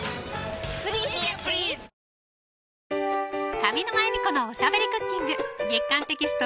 上沼恵美子のおしゃべりクッキング月刊テキスト